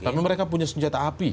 karena mereka punya senjata api